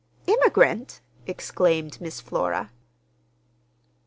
"Immigrant!" exclaimed Miss Flora.